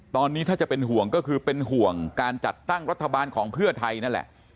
ตอนนี้ถ้าจะเป็นห่วงก็คือเป็นห่วงการจัดตั้งรัฐบาลของเพื่อไทยนั่นแหละ